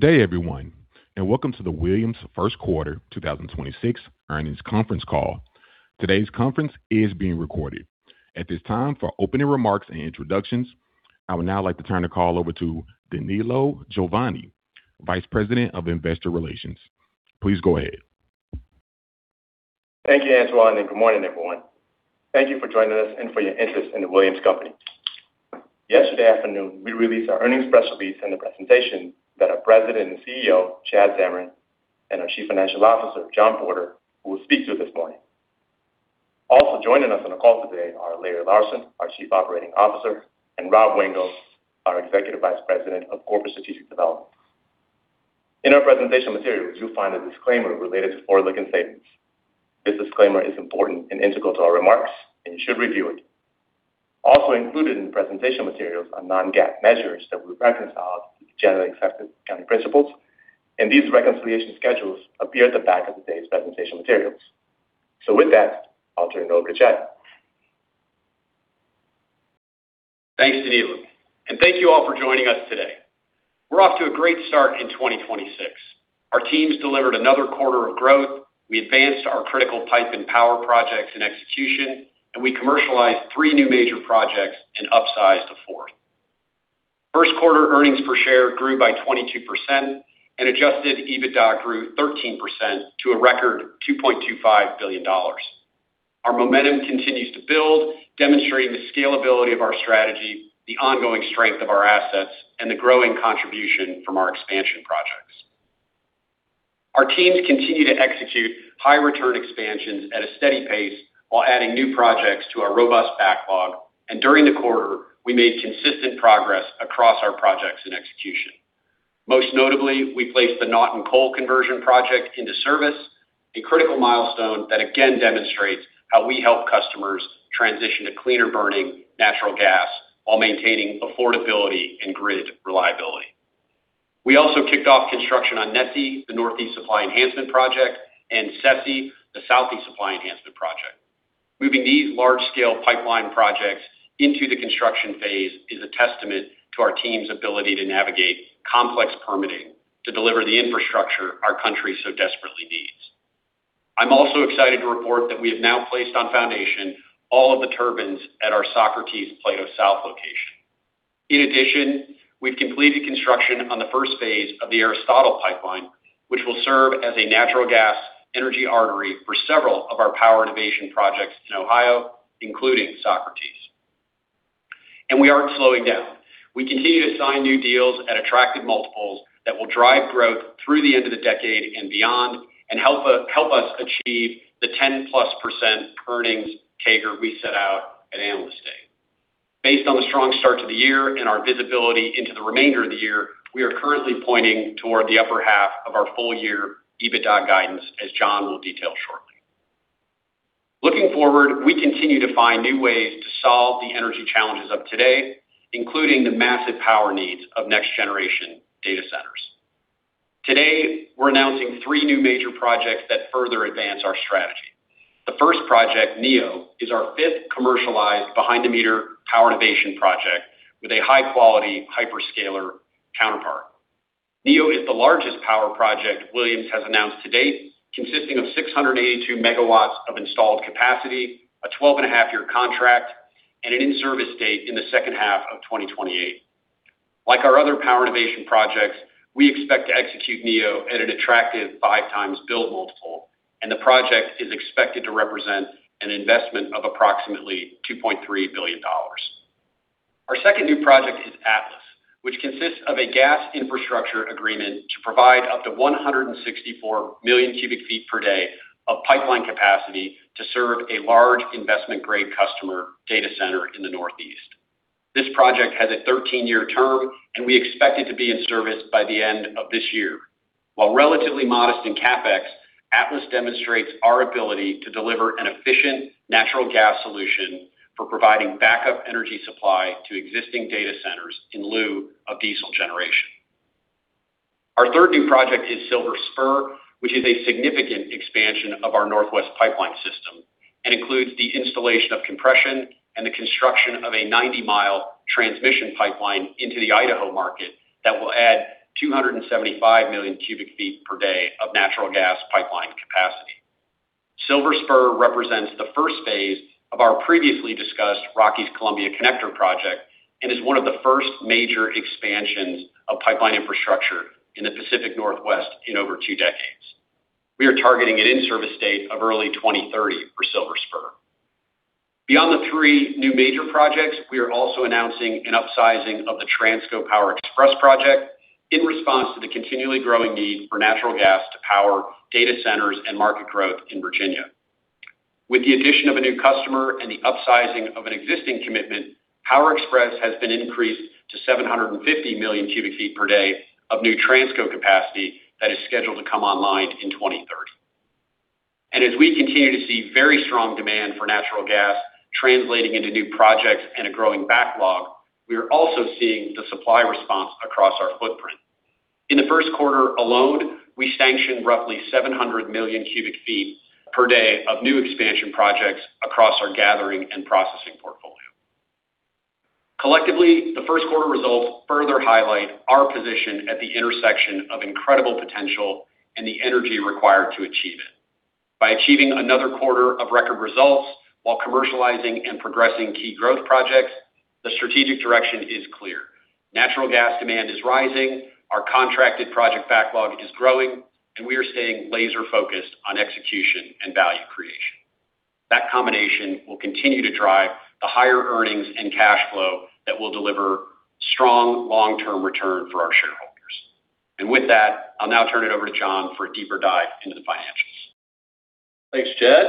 Good day everyone, welcome to the Williams First Quarter 2026 earnings conference call. Today's conference is being recorded. At this time, for opening remarks and introductions, I would now like to turn the call over to Danilo Juvane, Vice President of Investor Relations. Please go ahead. Thank you, Antoine, and good morning, everyone. Thank you for joining us and for your interest in The Williams Companies. Yesterday afternoon, we released our earnings press release and the presentation that our President and CEO, Chad Zamarin, and our Chief Financial Officer, John Porter, who will speak to you this morning. Also joining us on the call today are Larry Larsen, our Chief Operating Officer, and Rob Wingo, our Executive Vice President of Corporate Strategic Development. In our presentation materials, you'll find a disclaimer related to forward-looking statements. This disclaimer is important and integral to our remarks. You should review it. Also included in the presentation materials are non-GAAP measures that we reconcile with generally accepted accounting principles. These reconciliation schedules appear at the back of today's presentation materials. With that, I'll turn it over to Chad. Thanks, Danilo, and thank you all for joining us today. We're off to a great start in 2026. Our teams delivered another quarter of growth. We advanced our critical pipe and power projects in execution, we commercialized three new major projects and upsized a fourth. First quarter earnings per share grew by 22% and adjusted EBITDA grew 13% to a record $2.25 billion. Our momentum continues to build, demonstrating the scalability of our strategy, the ongoing strength of our assets, and the growing contribution from our expansion projects. Our teams continue to execute high return expansions at a steady pace while adding new projects to our robust backlog. During the quarter, we made consistent progress across our projects in execution. Most notably, we placed the Naughton Coal Conversion project into service, a critical milestone that again demonstrates how we help customers transition to cleaner burning natural gas while maintaining affordability and grid reliability. We also kicked off construction on NESE, the Northeast Supply Enhancement Project, and SESE, the Southeast Supply Enhancement Project. Moving these large-scale pipeline projects into the construction phase is a testament to our team's ability to navigate complex permitting to deliver the infrastructure our country so desperately needs. I'm also excited to report that we have now placed on foundation all of the turbines at our Socrates Power Solution Facilities. In addition, we've completed construction on the first phase of the Aristotle pipeline, which will serve as a natural gas energy artery for several of our power innovation projects in Ohio, including Socrates. We aren't slowing down. We continue to sign new deals at attractive multiples that will drive growth through the end of the decade and beyond and help us achieve the +10% earnings CAGR we set out at Analyst Day. Based on the strong start to the year and our visibility into the remainder of the year, we are currently pointing toward the upper half of our full-year EBITDA guidance, as John will detail shortly. Looking forward, we continue to find new ways to solve the energy challenges of today, including the massive power needs of next generation data centers. Today, we're announcing three new major projects that further advance our strategy. The first project, NEO, is our fifth commercialized behind-the-meter power innovation project with a high-quality hyperscaler counterpart. NEO is the largest power project Williams has announced to date, consisting of 682 megawatts of installed capacity, a 12.5-year contract, and an in-service date in the second half of 2028. Like our other power innovation projects, we expect to execute NEO at an attractive 5x build multiple, and the project is expected to represent an investment of approximately $2.3 billion. Our second new project is Atlas, which consists of a gas infrastructure agreement to provide up to 164 million cubic feet per day of pipeline capacity to serve a large investment-grade customer data center in the Northeast. This project has a 13-year term, and we expect it to be in service by the end of this year. While relatively modest in CapEx, Atlas demonstrates our ability to deliver an efficient natural gas solution for providing backup energy supply to existing data centers in lieu of diesel generation. Our third new project is Silver Spur, which is a significant expansion of our Northwest Pipeline system and includes the installation of compression and the construction of a 90-mile transmission pipeline into the Idaho market that will add 275 million cubic feet per day of natural gas pipeline capacity. Silver Spur represents the first phase of our previously discussed Rockies Columbia Connector Project and is one of the first major expansions of pipeline infrastructure in the Pacific Northwest in over two decades. We are targeting an in-service date of early 2030 for Silver Spur. Beyond the three new major projects, we are also announcing an upsizing of the Transco Power Express project in response to the continually growing need for natural gas to power data centers and market growth in Virginia. With the addition of a new customer and the upsizing of an existing commitment, Power Express has been increased to 750 million cubic feet per day of new Transco capacity that is scheduled to come online in 2030. As we continue to see very strong demand for natural gas translating into new projects and a growing backlog, we are also seeing the supply response across our footprint. In the first quarter alone, we sanctioned roughly 700 million cubic feet per day of new expansion projects across our gathering and processing portfolio. Collectively, the first quarter results further highlight our position at the intersection of incredible potential and the energy required to achieve it. By achieving another quarter of record results while commercializing and progressing key growth projects, the strategic direction is clear. Natural gas demand is rising, our contracted project backlog is growing, and we are staying laser-focused on execution and value creation. That combination will continue to drive the higher earnings and cash flow that will deliver strong long-term return for our shareholders. With that, I'll now turn it over to John for a deeper dive into the financials. Thanks, Chad.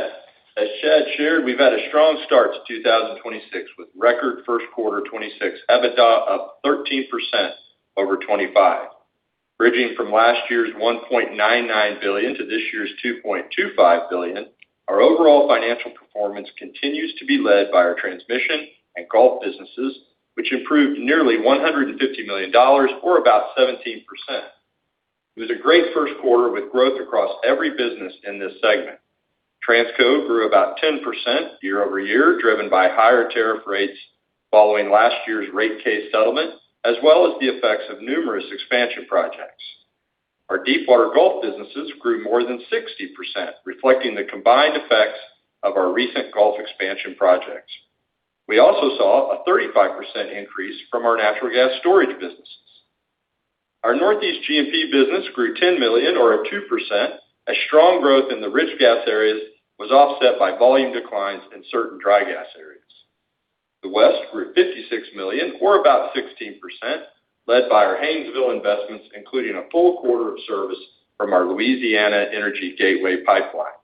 As Chad shared, we've had a strong start to 2026 with record first quarter 2026 EBITDA up 13% over 2025. Bridging from last year's $1.99 billion to this year's $2.25 billion, our overall financial performance continues to be led by our transmission and Gulf businesses, which improved nearly $150 million or about 17%. It was a great first quarter with growth across every business in this segment. Transco grew about 10% year-over-year, driven by higher tariff rates following last year's rate case settlement, as well as the effects of numerous expansion projects. Our deepwater Gulf businesses grew more than 60%, reflecting the combined effects of our recent Gulf expansion projects. We also saw a 35% increase from our natural gas storage businesses. Our Northeast G&P business grew $10 million or up 2%. A strong growth in the rich gas areas was offset by volume declines in certain dry gas areas. The West grew $56 million or about 16%, led by our Haynesville investments, including a full quarter of service from our Louisiana Energy Gateway Pipeline.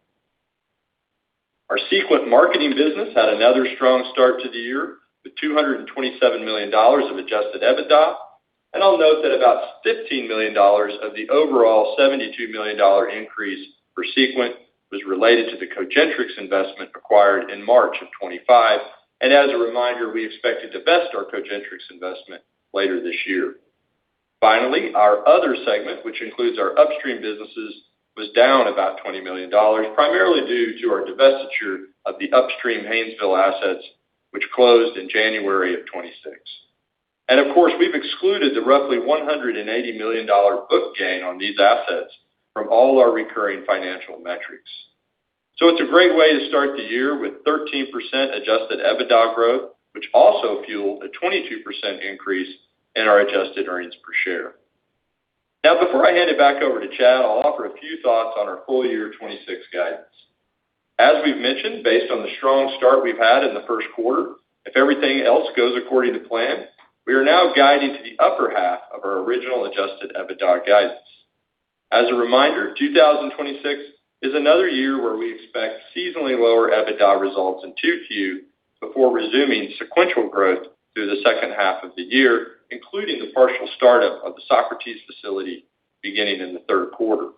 Our Sequent marketing business had another strong start to the year with $227 million of adjusted EBITDA. I'll note that about $15 million of the overall $72 million increase for Sequent was related to the Cogentrix investment acquired in March of 2025. As a reminder, we expected to vest our Cogentrix investment later this year. Finally, our other segment, which includes our upstream businesses, was down about $20 million, primarily due to our divestiture of the upstream Haynesville assets, which closed in January of 2026. Of course, we've excluded the roughly $180 million book gain on these assets from all our recurring financial metrics. It's a great way to start the year with 13% adjusted EBITDA growth, which also fueled a 22% increase in our adjusted earnings per share. Before I hand it back over to Chad, I'll offer a few thoughts on our full year 2026 guidance. As we've mentioned, based on the strong start we've had in the first quarter, if everything else goes according to plan, we are now guiding to the upper half of our original adjusted EBITDA guidance. As a reminder, 2026 is another year where we expect seasonally lower EBITDA results in 2Q before resuming sequential growth through the second half of the year, including the partial start of the Socrates facility beginning in the third quarter.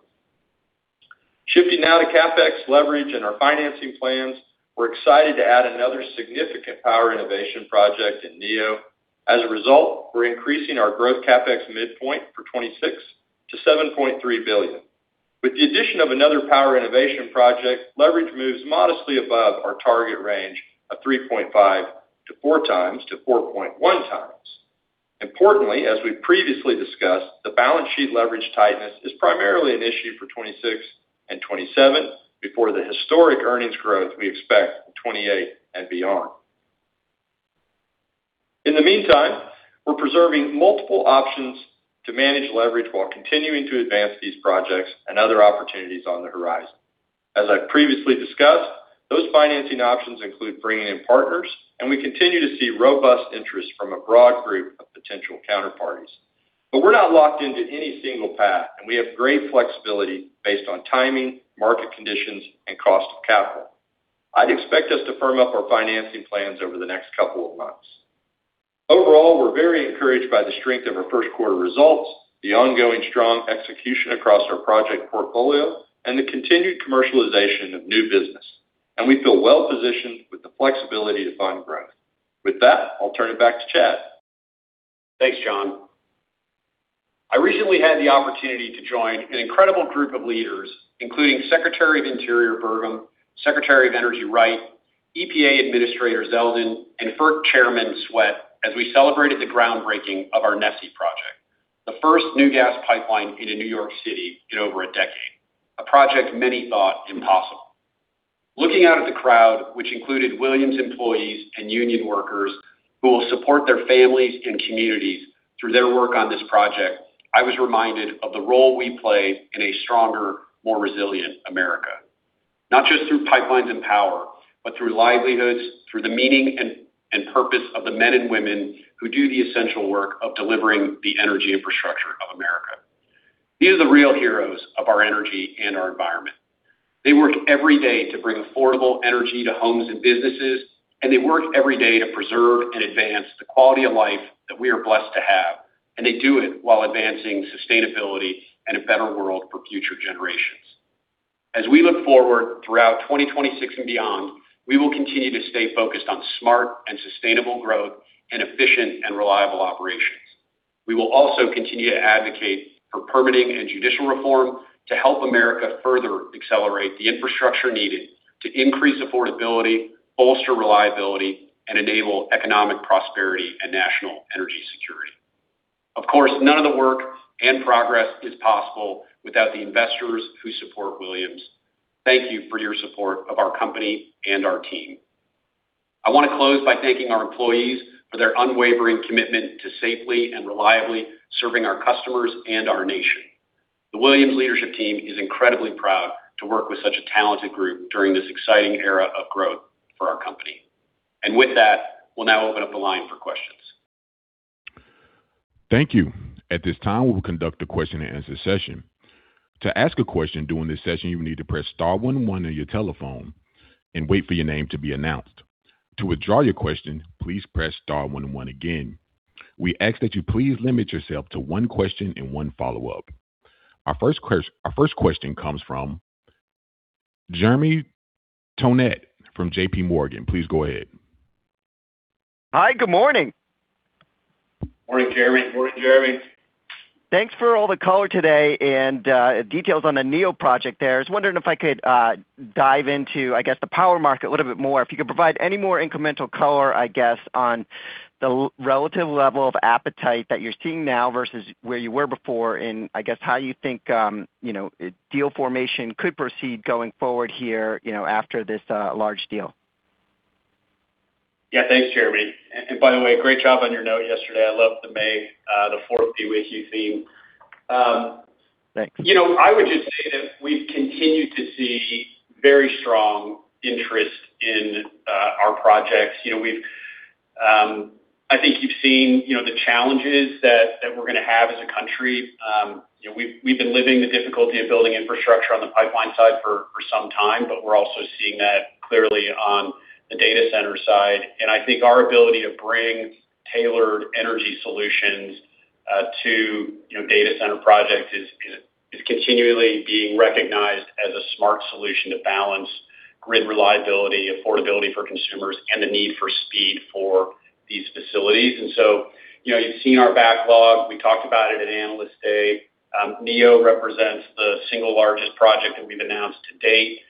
Shifting now to CapEx leverage and our financing plans, we're excited to add another significant power innovation project in Neo. As a result, we're increasing our growth CapEx midpoint for 2026 to $7.3 billion. With the addition of another power innovation project, leverage moves modestly above our target range of 3.5-4x-4.1x. Importantly, as we previously discussed, the balance sheet leverage tightness is primarily an issue for 2026 and 2027 before the historic earnings growth we expect in 2028 and beyond. In the meantime, we're preserving multiple options to manage leverage while continuing to advance these projects and other opportunities on the horizon. As I previously discussed, those financing options include bringing in partners, and we continue to see robust interest from a broad group of potential counterparties. We're not locked into any single path, and we have great flexibility based on timing, market conditions, and cost of capital. I'd expect us to firm up our financing plans over the next couple of months. Overall, we're very encouraged by the strength of our first quarter results, the ongoing strong execution across our project portfolio, and the continued commercialization of new business. We feel well-positioned with the flexibility to fund growth. With that, I'll turn it back to Chad. Thanks, John. I recently had the opportunity to join an incredible group of leaders, including Secretary of Interior Burgum, Secretary of Energy Wright, EPA Administrator Zeldin, and FERC Chairman Swett, as we celebrated the groundbreaking of our NESE project, the first new gas pipeline into New York City in over a decade, a project many thought impossible. Looking out at the crowd, which included Williams employees and union workers who will support their families and communities through their work on this project, I was reminded of the role we play in a stronger, more resilient America, not just through pipelines and power, but through livelihoods, through the meaning and purpose of the men and women who do the essential work of delivering the energy infrastructure of America. These are the real heroes of our energy and our environment. They work every day to bring affordable energy to homes and businesses, and they work every day to preserve and advance the quality of life that we are blessed to have, and they do it while advancing sustainability and a better world for future generations. As we look forward throughout 2026 and beyond, we will continue to stay focused on smart and sustainable growth and efficient and reliable operations. We will also continue to advocate for permitting and judicial reform to help America further accelerate the infrastructure needed to increase affordability, bolster reliability, and enable economic prosperity and national energy security. Of course, none of the work and progress is possible without the investors who support Williams. Thank you for your support of our company and our team. I want to close by thanking our employees for their unwavering commitment to safely and reliably serving our customers and our nation. The Williams leadership team is incredibly proud to work with such a talented group during this exciting era of growth for our company. With that, we'll now open up the line for questions. Thank you. At this time, we will conduct a question-and-answer session. To ask a question during this session, you need to press star one one on your telephone and wait for your name to be announced. To withdraw your question, please press star one one again. We ask that you please limit yourself to one question and one follow-up. Our first question comes from Jeremy Tonet from J.P. Morgan. Please go ahead. Hi, good morning. Morning, Jeremy. Thanks for all the color today and details on the Project Neo there. I was wondering if I could dive into, I guess, the power market a little bit more. If you could provide any more incremental color, I guess, on the relative level of appetite that you're seeing now versus where you were before and, I guess, how you think, you know, deal formation could proceed going forward here, you know, after this large deal. Yeah. Thanks, Jeremy. By the way, great job on your note yesterday. I love the May the fourth be with you theme. Thanks. You know, I would just say that we've continued to see very strong interest in our projects. You know, we've, I think you've seen, you know, the challenges that we're gonna have as a country. You know, we've been living the difficulty of building infrastructure on the pipeline side for some time, but we're also seeing that clearly on the data center side. I think our ability to bring tailored energy solutions to, you know, data center projects is continually being recognized as a smart solution to balance grid reliability, affordability for consumers, and the need for speed for these facilities. You know, you've seen our backlog. We talked about it at Analyst Day. NEO represents the single largest project that we've announced to date.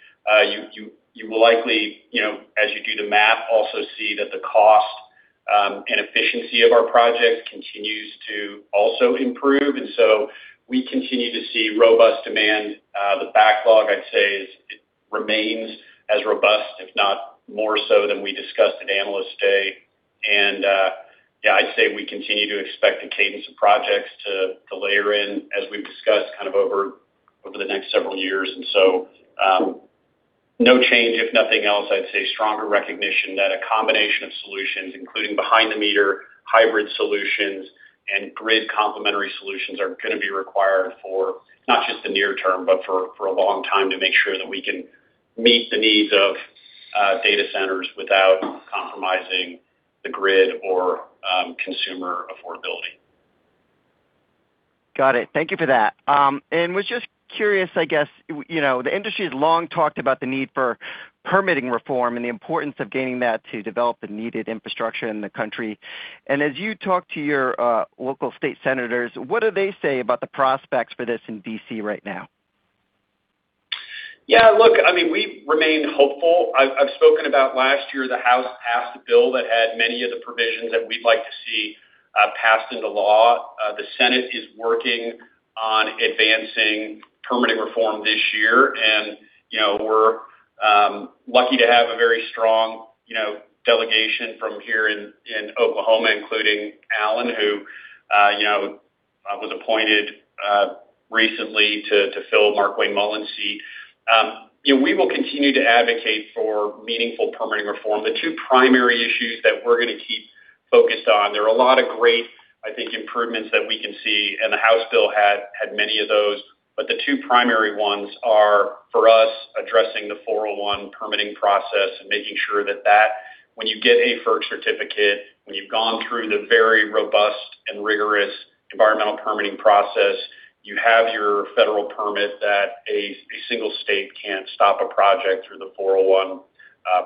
You will likely, you know, as you do the math, also see that the cost and efficiency of our project continues to also improve. We continue to see robust demand. The backlog I'd say it remains as robust, if not more so than we discussed at Analyst Day. Yeah, I'd say we continue to expect the cadence of projects to layer in as we've discussed kind of over the next several years. No change. If nothing else, I'd say stronger recognition that a combination of solutions, including behind the meter, hybrid solutions, and grid complementary solutions are gonna be required for not just the near term, but for a long time to make sure that we can meet the needs of data centers without compromising the grid or consumer affordability. Got it. Thank you for that. I was just curious, you know, the industry has long talked about the need for permitting reform and the importance of gaining that to develop the needed infrastructure in the country. As you talk to your local state senators, what do they say about the prospects for this in D.C. right now? Yeah. Look, I mean, we remain hopeful. I've spoken about last year, the House passed a bill that had many of the provisions that we'd like to see passed into law. The Senate is working on advancing permitting reform this year. You know, we're lucky to have a very strong, you know, delegation from here in Oklahoma, including Alan, who, you know, was appointed recently to fill Markwayne Mullin's seat. You know, we will continue to advocate for meaningful permitting reform. The two primary issues that we're gonna keep focused on, there are a lot of great, I think, improvements that we can see, and the House bill had many of those. The two primary ones are, for us, addressing the 401 permitting process and making sure that when you get a FERC certificate, when you've gone through the very robust and rigorous environmental permitting process, you have your federal permit that a single state can't stop a project through the 401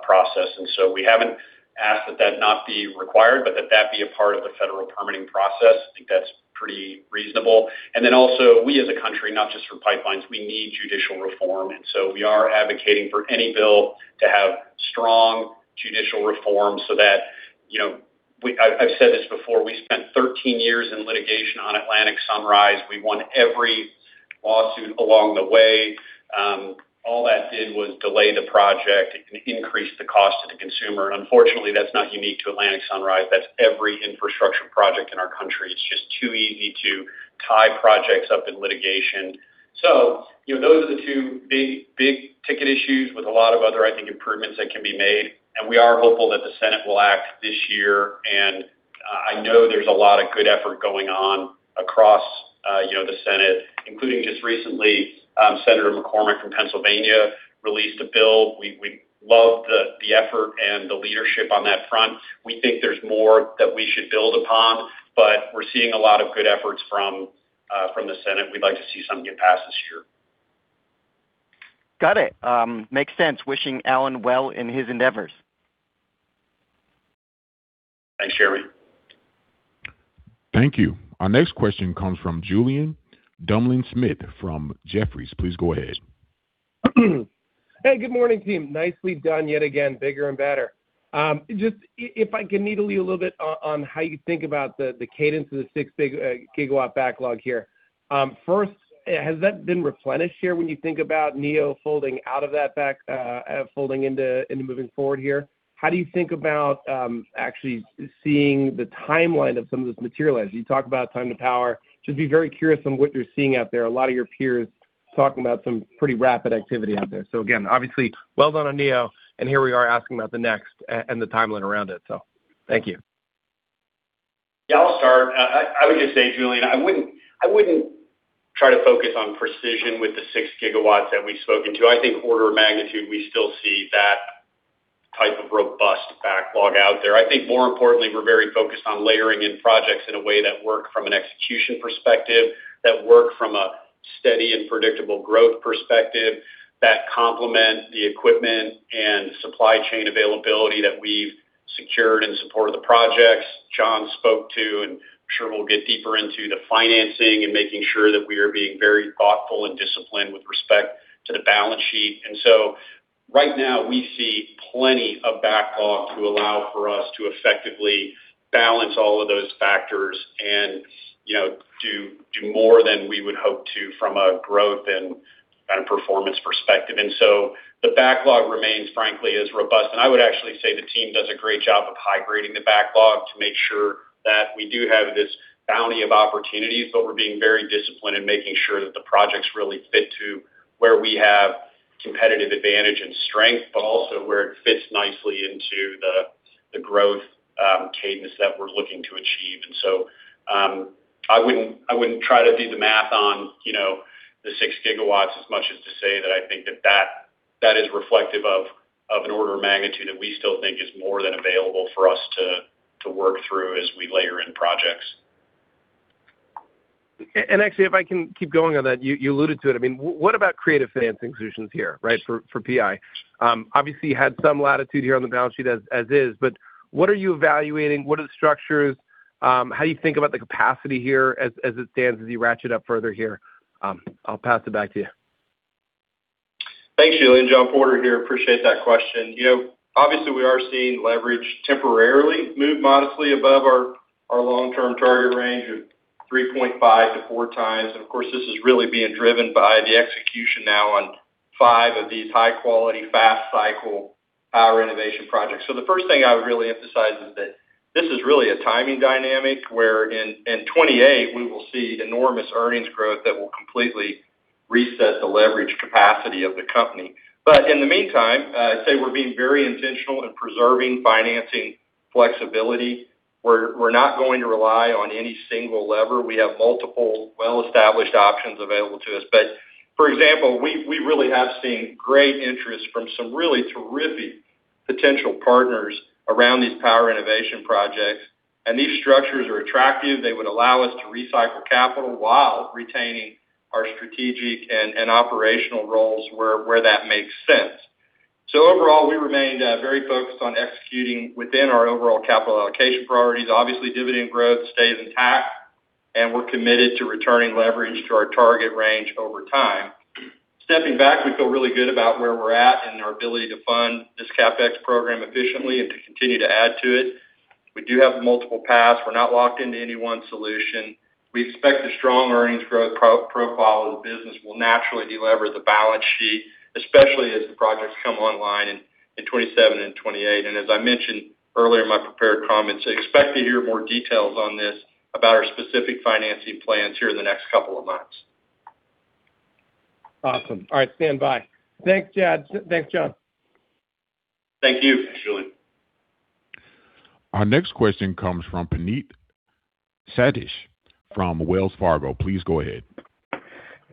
process. We haven't asked that not be required, but that be a part of the federal permitting process. I think that's pretty reasonable. Also, we as a country, not just for pipelines, we need judicial reform. We are advocating for any bill to have strong judicial reform so that, you know, we, I've said this before. We spent 13 years in litigation on Atlantic Sunrise. We won every lawsuit along the way. All that did was delay the project and increase the cost to the consumer. Unfortunately, that's not unique to Atlantic Sunrise. That's every infrastructure project in our country. It's just too easy to tie projects up in litigation. You know, those are the two big, big-ticket issues with a lot of other, I think, improvements that can be made. We are hopeful that the Senate will act this year. I know there's a lot of good effort going on across, you know, the Senate, including just recently, Senator McCormick from Pennsylvania released a bill. We love the effort and the leadership on that front. We think there's more that we should build upon, but we're seeing a lot of good efforts from the Senate. We'd like to see something get passed this year. Got it. makes sense. Wishing Alan well in his endeavors. Thanks, Jeremy. Thank you. Our next question comes from Julien Dumoulin-Smith from Jefferies. Please go ahead. Hey, good morning, team. Nicely done yet again. Bigger and better. Just if I can needle you a little bit on how you think about the cadence of the 6 big gigawatt backlog here. First, has that been replenished here when you think about Project Neo folding into and moving forward here? How do you think about actually seeing the timeline of some of this materialize? You talk about time to power. Just be very curious on what you're seeing out there. A lot of your peers talking about some pretty rapid activity out there. Again, obviously, well done on Project Neo, and here we are asking about the next and the timeline around it. Thank you. Yeah, I'll start. I would just say, Julien, I wouldn't try to focus on precision with the 6 gigawatts that we've spoken to. I think order of magnitude, we still see that type of robust backlog out there. I think more importantly, we're very focused on layering in projects in a way that work from an execution perspective, that work from a steady and predictable growth perspective, that complement the equipment and supply chain availability that we've secured in support of the projects John spoke to, and I'm sure we'll get deeper into the financing and making sure that we are being very thoughtful and disciplined with respect to the balance sheet. Right now we see plenty of backlog to allow for us to effectively balance all of those factors and, you know, do more than we would hope to from a growth and kind of performance perspective. The backlog remains, frankly, as robust. I would actually say the team does a great job of high-grading the backlog to make sure that we do have this bounty of opportunities, but we're being very disciplined in making sure that the projects really fit to where we have competitive advantage and strength, but also where it fits nicely into the growth cadence that we're looking to achieve. I wouldn't try to do the math on, you know, the 6 gigawatts as much as to say that I think that is reflective of an order of magnitude that we still think is more than available for us to work through as we layer in projects. Actually, if I can keep going on that, you alluded to it. I mean, what about creative financing solutions here, right? For PI. Obviously, you had some latitude here on the balance sheet as is, what are you evaluating? What are the structures? How do you think about the capacity here as it stands as you ratchet up further here? I'll pass it back to you. Thanks, Julien. John Porter here. Appreciate that question. You know, obviously we are seeing leverage temporarily move modestly above our long-term target range of 3.5-4x. Of course, this is really being driven by the execution now on five of these high-quality, fast cycle power innovation projects. The first thing I would really emphasize is that this is really a timing dynamic, where in 2028 we will see enormous earnings growth that will completely reset the leverage capacity of the company. In the meantime, I'd say we're being very intentional in preserving financing flexibility. We're not going to rely on any single lever. We have multiple well-established options available to us. For example, we really have seen great interest from some really terrific potential partners around these power innovation projects. These structures are attractive. They would allow us to recycle capital while retaining our strategic and operational roles where that makes sense. Overall, we remained very focused on executing within our overall capital allocation priorities. Obviously, dividend growth stays intact, and we're committed to returning leverage to our target range over time. Stepping back, we feel really good about where we're at and our ability to fund this CapEx program efficiently and to continue to add to it. We do have multiple paths. We're not locked into any one solution. We expect the strong earnings growth profile of the business will naturally de-lever the balance sheet, especially as the projects come online in 2027 and 2028. As I mentioned earlier in my prepared comments, expect to hear more details on this about our specific financing plans here in the next couple of months. Awesome. All right, stand by. Thanks, Chad. Thanks, John. Thank you, Julien. Our next question comes from Praneeth Satish from Wells Fargo. Please go ahead.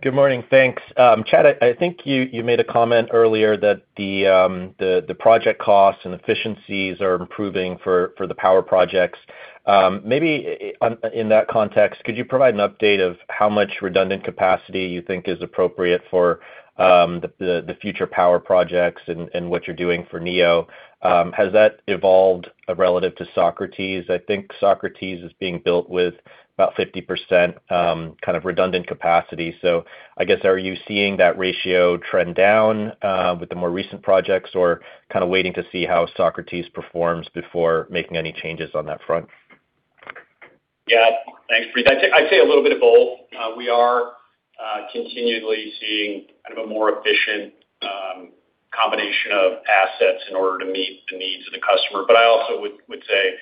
Good morning. Thanks. Chad, I think you made a comment earlier that the project costs and efficiencies are improving for the power projects. Maybe in that context, could you provide an update of how much redundant capacity you think is appropriate for the future power projects and what you're doing for Neo? Has that evolved relative to Socrates? I think Socrates is being built with about 50% kind of redundant capacity. I guess, are you seeing that ratio trend down with the more recent projects, or kind of waiting to see how Socrates performs before making any changes on that front? Yeah. Thanks, Praneeth. I'd say a little bit of both. We are continually seeing kind of a more efficient combination of assets in order to meet the needs of the customer. I also would say,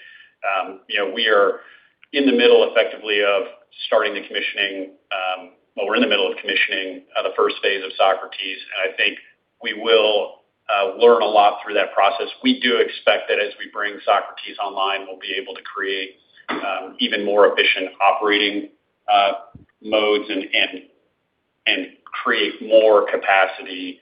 you know, we are in the middle effectively of starting the commissioning. Well, we're in the middle of commissioning the first phase of Socrates, and I think we will learn a lot through that process. We do expect that as we bring Socrates online, we'll be able to create even more efficient operating modes and create more capacity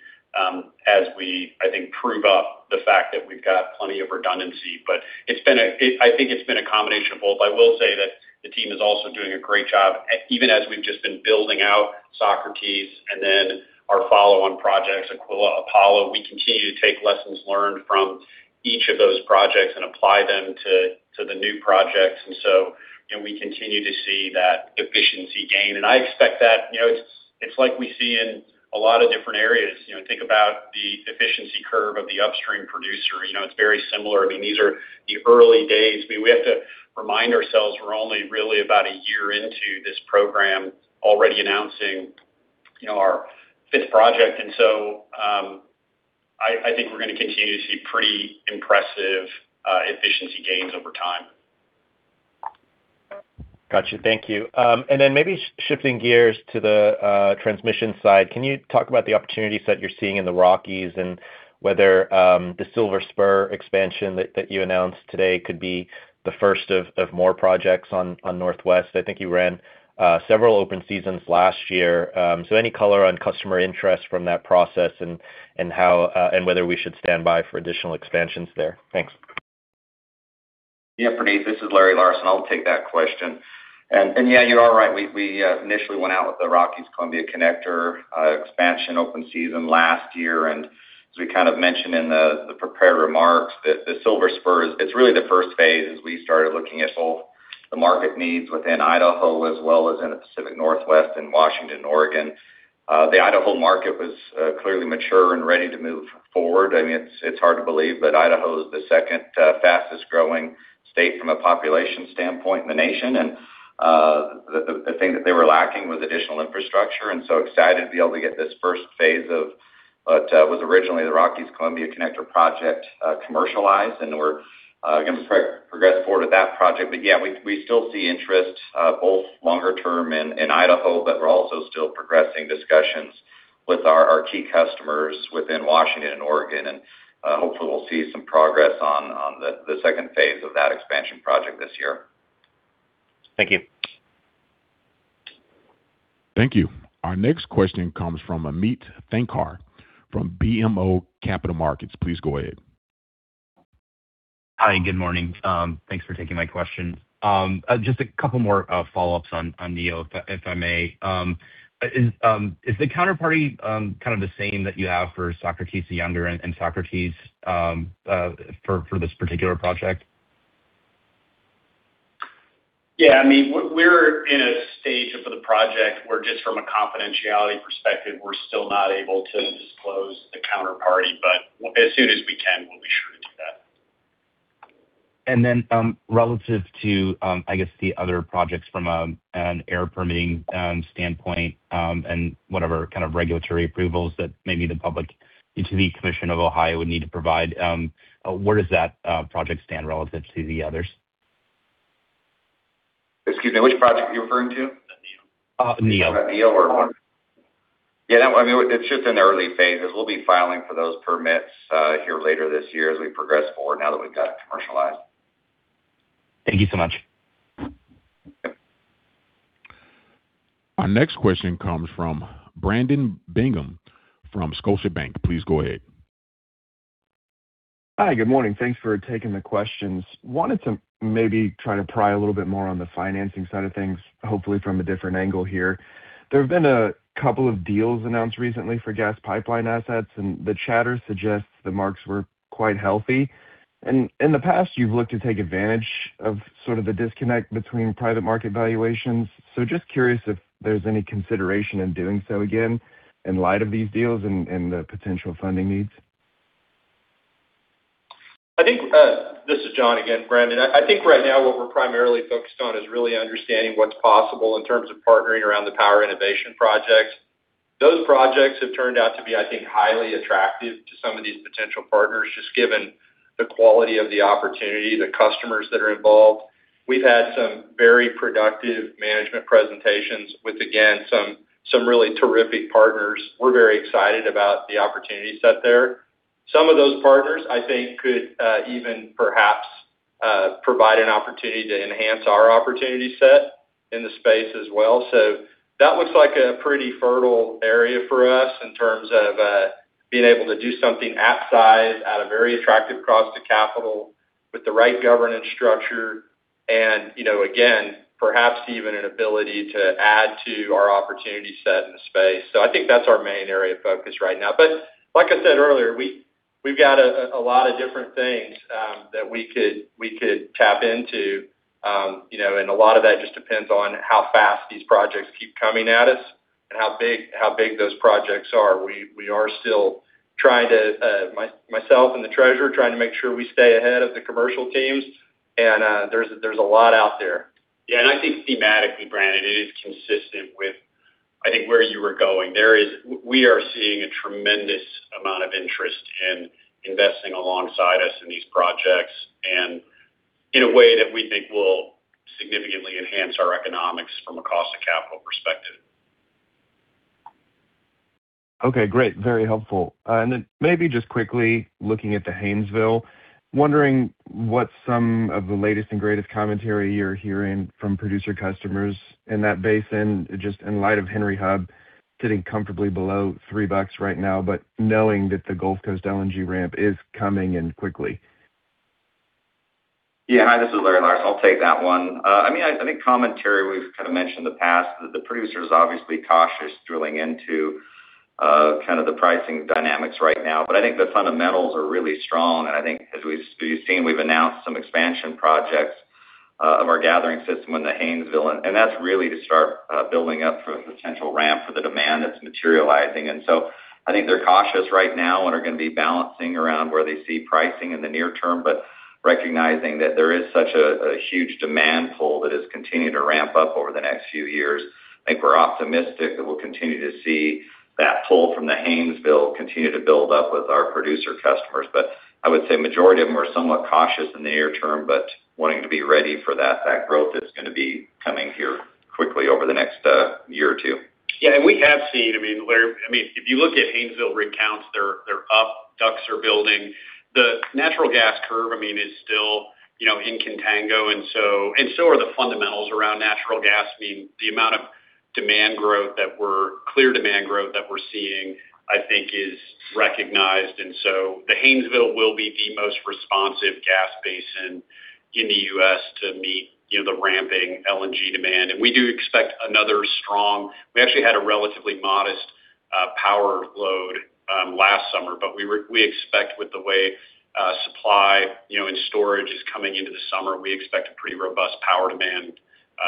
as we, I think, prove up the fact that we've got plenty of redundancy. I think it's been a combination of both. I will say that the team is also doing a great job, even as we've just been building out Socrates and then our follow-on projects, Aquila, Apollo. We continue to take lessons learned from. Each of those projects and apply them to the new projects. You know, we continue to see that efficiency gain. I expect that, you know, it's like we see in a lot of different areas. You know, think about the efficiency curve of the upstream producer. You know, it's very similar. I mean, these are the early days. We have to remind ourselves we're only really about a year into this program already announcing, you know, our fifth project. I think we're gonna continue to see pretty impressive efficiency gains over time. Got you. Thank you. Maybe shifting gears to the transmission side. Can you talk about the opportunities that you're seeing in the Rockies and whether the Silver Spur expansion that you announced today could be the first of more projects on Northwest? I think you ran several open seasons last year. Any color on customer interest from that process and how and whether we should stand by for additional expansions there? Thanks. Praneeth, this is Larry Larsen. I'll take that question. You are right. We initially went out with the Rockies Columbia Connector expansion open season last year. As we kind of mentioned in the prepared remarks that the Silver Spur, it's really the first phase as we started looking at all the market needs within Idaho as well as in the Pacific Northwest and Washington, Oregon. The Idaho market was clearly mature and ready to move forward. I mean, it's hard to believe, Idaho is the second fastest-growing state from a population standpoint in the nation. The thing that they were lacking was additional infrastructure. Excited to be able to get this first phase of what was originally the Rockies Columbia Connector project commercialized, and we're gonna progress forward with that project. Yeah, we still see interest both longer term in Idaho, but we're also still progressing discussions with our key customers within Washington and Oregon. Hopefully we'll see some progress on the second phase of that expansion project this year. Thank you. Thank you. Our next question comes from Ameet Thakkar from BMO Capital Markets. Please go ahead. Hi, good morning. Thanks for taking my question. Just a couple more follow-ups on Neo if I may. Is the counterparty kind of the same that you have for Socrates the Younger and Socrates for this particular project? Yeah, I mean, we're in a stage of the project where just from a confidentiality perspective, we're still not able to disclose the counterparty. As soon as we can, we'll be sure to do that. Relative to, I guess the other projects from an air permitting standpoint, and whatever kind of regulatory approvals that maybe the Public Utilities Commission of Ohio would need to provide, where does that project stand relative to the others? Excuse me, which project are you referring to? Neo. Neo. Yeah, no, I mean, it's just in the early phases. We'll be filing for those permits here later this year as we progress forward now that we've got it commercialized. Thank you so much. Yep. Our next question comes from Brandon Bingham from Scotiabank. Please go ahead. Hi, good morning. Thanks for taking the questions. I wanted to maybe try to pry a little bit more on the financing side of things, hopefully from a different angle here. There have been a couple of deals announced recently for gas pipeline assets, and the chatter suggests the marks were quite healthy. In the past, you've looked to take advantage of sort of the disconnect between private market valuations. Just curious if there's any consideration in doing so again in light of these deals and the potential funding needs. I think, this is John again, Brandon. I think right now what we're primarily focused on is really understanding what's possible in terms of partnering around the power innovation projects. Those projects have turned out to be, I think, highly attractive to some of these potential partners, just given the quality of the opportunity, the customers that are involved. We've had some very productive management presentations with, again, some really terrific partners. We're very excited about the opportunity set there. Some of those partners, I think, could even perhaps provide an opportunity to enhance our opportunity set in the space as well. That looks like a pretty fertile area for us in terms of being able to do something at size at a very attractive cost to capital with the right governance structure and, you know, again, perhaps even an ability to add to our opportunity set in the space. I think that's our main area of focus right now. Like I said earlier, we've got a lot of different things that we could tap into. You know, a lot of that just depends on how fast these projects keep coming at us and how big those projects are. We are still trying to myself and the treasurer trying to make sure we stay ahead of the commercial teams and there's a lot out there. Yeah. I think thematically, Brandon, it is consistent with, I think, where you were going. We are seeing a tremendous amount of interest in investing alongside us in these projects and in a way that we think will significantly enhance our economics from a cost of capital perspective. Okay, great. Very helpful. Maybe just quickly looking at the Haynesville, wondering what some of the latest and greatest commentary you're hearing from producer customers in that basin, just in light of Henry Hub sitting comfortably below $3 right now, but knowing that the Gulf Coast LNG ramp is coming in quickly. Yeah. Hi, this is Larry Larsen. I'll take that one. I mean, I think commentary we've kind of mentioned in the past that the producer is obviously cautious drilling into kind of the pricing dynamics right now. I think the fundamentals are really strong, and I think as you've seen, we've announced some expansion projects of our gathering system in the Haynesville. That's really to start building up for a potential ramp for the demand that's materializing. I think they're cautious right now and are gonna be balancing around where they see pricing in the near term. Recognizing that there is such a huge demand pool that has continued to ramp up over the next few years, I think we're optimistic that we'll continue to see that pull from the Haynesville continue to build up with our producer customers. I would say majority of them are somewhat cautious in the near term, but wanting to be ready for that growth that's gonna be coming here quickly over the next year or two. Yeah. I mean, Larry, I mean, if you look at Haynesville rig counts, they're up, DUCs are building. The natural gas curve, I mean, is still, you know, in contango, and so are the fundamentals around natural gas. I mean, the amount of clear demand growth that we're seeing, I think is recognized. The Haynesville will be the most responsive gas basin in the U.S. to meet, you know, the ramping LNG demand. We do expect another strong. We actually had a relatively modest power load last summer, but we expect with the way supply, you know, and storage is coming into the summer, we expect a pretty robust power demand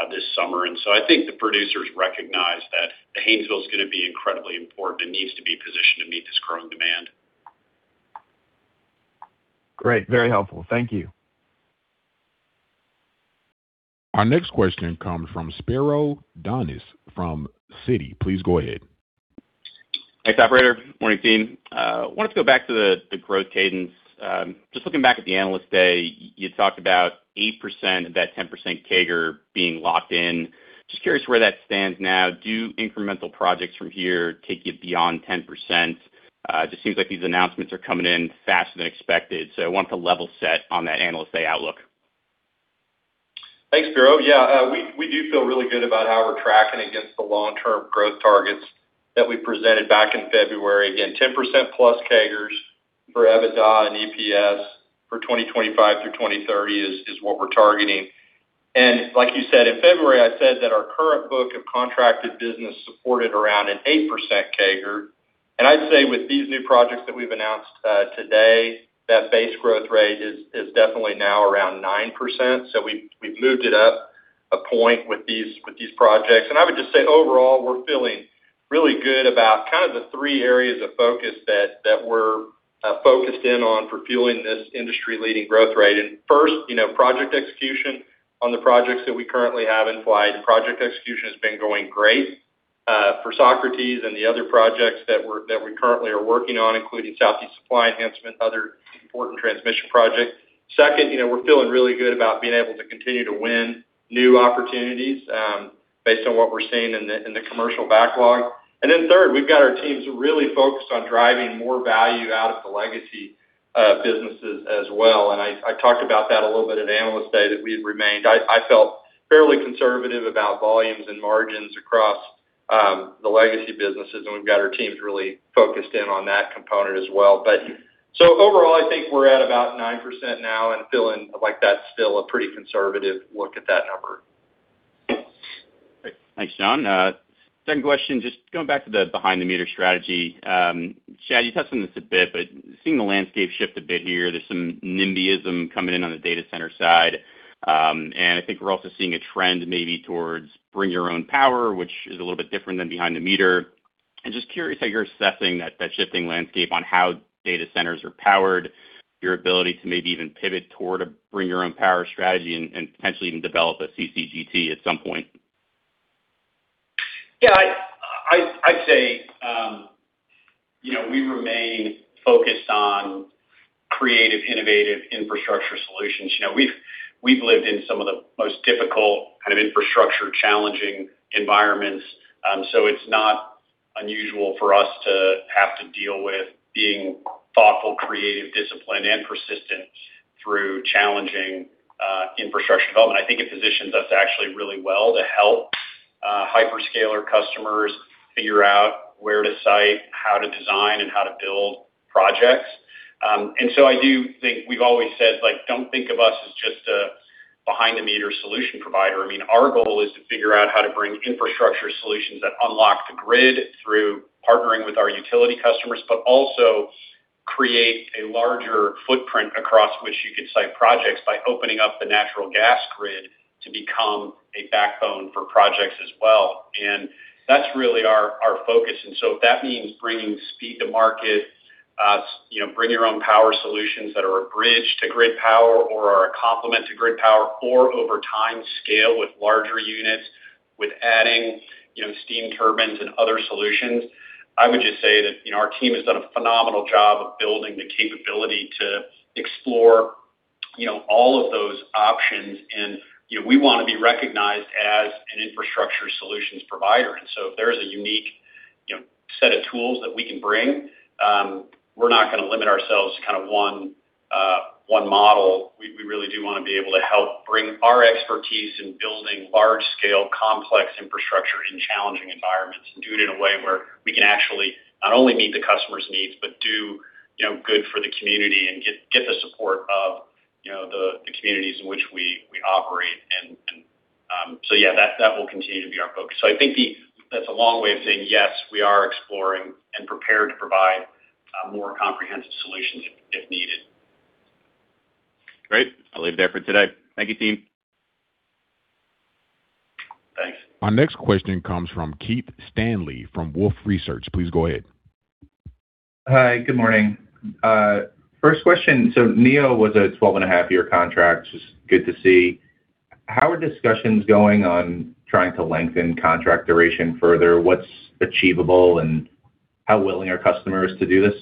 this summer. I think the producers recognize that the Haynesville is gonna be incredibly important. It needs to be positioned to meet this growing demand. Great. Very helpful. Thank you. Our next question comes from Spiro Dounis from Citi. Please go ahead. Thanks, operator. Morning, team. I wanted to go back to the growth cadence. Looking back at the Analyst Day, you talked about 8% of that 10% CAGR being locked in. I'm just curious where that stands now. Do incremental projects from here take you beyond 10%? Just seems like these announcements are coming in faster than expected. I want to level set on that Analyst Day outlook. Thanks, Spiro. Yeah. We, we do feel really good about how we're tracking against the long-term growth targets that we presented back in February. +10% CAGRs for EBITDA and EPS for 2025 through 2030 is what we're targeting. Like you said, in February, I said that our current book of contracted business supported around an 8% CAGR. I'd say with these new projects that we've announced today, that base growth rate is definitely now around 9%. We've moved it up a point with these projects. I would just say overall, we're feeling really good about kind of the three areas of focus that we're focused in on for fueling this industry-leading growth rate. First, you know, project execution on the projects that we currently have in flight. Project execution has been going great for Socrates and the other projects that we currently are working on, including Southeast Supply Enhancement, other important transmission projects. You know, we're feeling really good about being able to continue to win new opportunities based on what we're seeing in the commercial backlog. We've got our teams really focused on driving more value out of the legacy businesses as well. I talked about that a little bit at Analyst Day, that we felt fairly conservative about volumes and margins across the legacy businesses, and we've got our teams really focused in on that component as well. Overall, I think we're at about 9% now and feeling like that's still a pretty conservative look at that number. Great. Thanks, John. Second question, just going back to the behind-the-meter strategy. Chad, you touched on this a bit, but seeing the landscape shift a bit here, there's some NIMBYism coming in on the data center side. I think we're also seeing a trend maybe towards bring your own power, which is a little bit different than behind the meter. Just curious how you're assessing that shifting landscape on how data centers are powered, your ability to maybe even pivot toward a bring your own power strategy and potentially even develop a CCGT at some point? Yeah, I'd say, you know, we remain focused on creative, innovative infrastructure solutions. You know, we've lived in some of the most difficult kind of infrastructure challenging environments. It's not unusual for us to have to deal with being thoughtful, creative, disciplined, and persistent through challenging infrastructure development. I think it positions us actually really well to help hyperscaler customers figure out where to site, how to design, and how to build projects. I do think we've always said, like, don't think of us as just a behind-the-meter solution provider. I mean, our goal is to figure out how to bring infrastructure solutions that unlock the grid through partnering with our utility customers, but also create a larger footprint across which you could site projects by opening up the natural gas grid to become a backbone for projects as well. That's really our focus. If that means bringing speed to market, you know, bring your own power solutions that are a bridge to grid power or are a complement to grid power or over time scale with larger units, with adding, you know, steam turbines and other solutions, I would just say that, you know, our team has done a phenomenal job of building the capability to explore, you know, all of those options. You know, we wanna be recognized as an infrastructure solutions provider. If there is a unique, you know, set of tools that we can bring, we're not gonna limit ourselves to kind of one model. We really do wanna be able to help bring our expertise in building large scale, complex infrastructure in challenging environments and do it in a way where we can actually not only meet the customer's needs, but do, you know, good for the community and get the support of, you know, the communities in which we operate. Yeah, that will continue to be our focus. I think that's a long way of saying, yes, we are exploring and prepared to provide more comprehensive solutions if needed. Great. I'll leave it there for today. Thank you, team. Thanks. Our next question comes from Keith Stanley from Wolfe Research. Please go ahead. Hi, good morning. First question. Project Neo was a 12-and-a-half year contract. It's good to see. How are discussions going on trying to lengthen contract duration further? What's achievable, and how willing are customers to do this?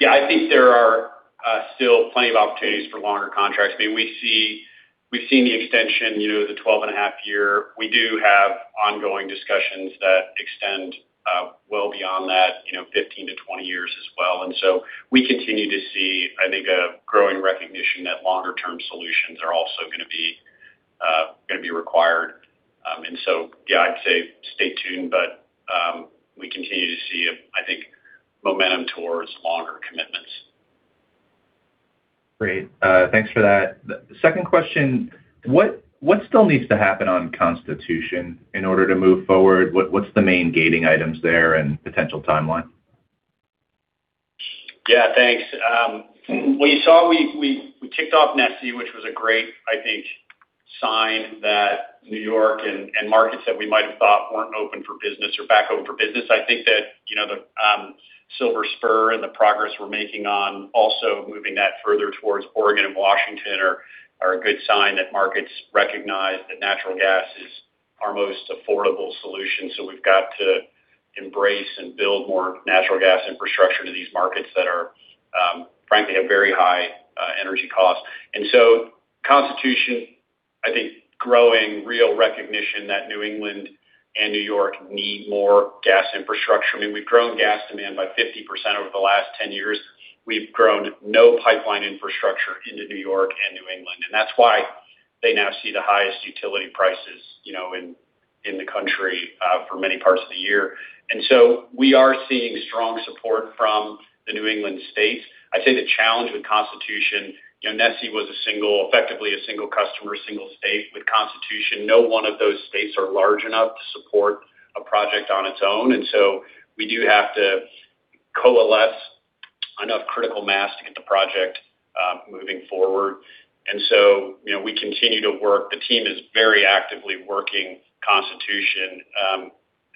Yeah, I think there are still plenty of opportunities for longer contracts. I mean, we've seen the extension, you know, the 12.5-year. We do have ongoing discussions that extend well beyond that, you know, 15-20 years as well. We continue to see, I think, a growing recognition that longer term solutions are also gonna be required. Yeah, I'd say stay tuned, but we continue to see, I think, momentum towards longer commitments. Great. Thanks for that. The second question: what still needs to happen on Constitution in order to move forward? What's the main gating items there and potential timeline? Yeah, thanks. Well you saw we kicked off NESE, which was a great, I think, sign that New York and markets that we might have thought weren't open for business are back open for business. I think that, you know, the Silver Spur and the progress we're making on also moving that further towards Oregon and Washington are a good sign that markets recognize that natural gas is our most affordable solution. We've got to embrace and build more natural gas infrastructure into these markets that are, frankly, have very high energy costs. Constitution, I think growing real recognition that New England and New York need more gas infrastructure. I mean, we've grown gas demand by 50% over the last 10 years. We've grown no pipeline infrastructure into New York and New England. That's why they now see the highest utility prices, you know, in the country for many parts of the year. We are seeing strong support from the New England states. I'd say the challenge with Constitution, you know, NESE was effectively a single customer, single state. With Constitution, no one of those states are large enough to support a project on its own. We do have to coalesce enough critical mass to get the project moving forward. You know, we continue to work. The team is very actively working Constitution.